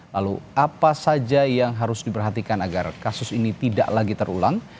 lalu apa saja yang harus diperhatikan agar kasus ini tidak lagi terulang